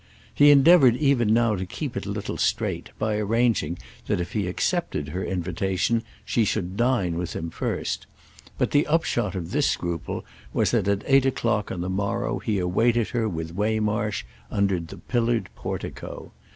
He endeavoured even now to keep it a little straight by arranging that if he accepted her invitation she should dine with him first; but the upshot of this scruple was that at eight o'clock on the morrow he awaited her with Waymarsh under the pillared portico.